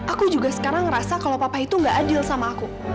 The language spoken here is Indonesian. aku juga sekarang ngerasa kalau papa itu gak adil sama aku